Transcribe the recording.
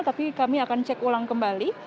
tapi kami akan cek ulang kembali